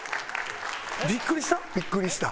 ビックリした。